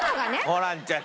ホランちゃん